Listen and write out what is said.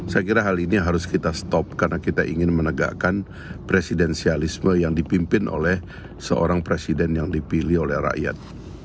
saya kira hal ini harus kita stop karena kita ingin menegakkan presidensialisme yang dipimpin oleh seorang presiden yang dipilih oleh rakyat